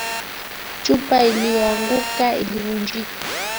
Chupa iliyoanguka ilivunjika